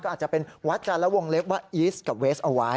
อาจจะเป็นวัดจันทร์และวงเล็บว่าอีสกับเวสเอาไว้